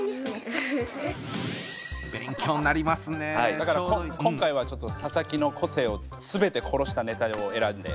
だから今回は佐々木の個性を全て殺したネタを選んで。